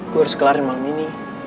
gue harus kelarin malam ini